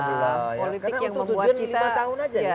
karena untuk tujuan lima tahun saja